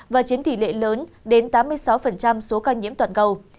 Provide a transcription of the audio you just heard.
và chiếm tỷ lệ lớn đến tám mươi sáu số ca nhiễm toàn cầu